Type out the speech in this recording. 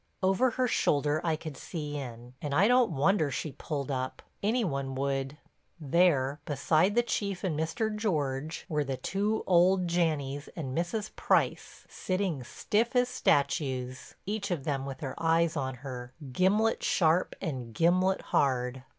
Over her shoulder I could see in, and I don't wonder she pulled up—any one would. There, beside the Chief and Mr. George, were the two old Janneys and Mrs. Price, sitting stiff as statues, each of them with their eyes on her, gimlet sharp and gimlet hard.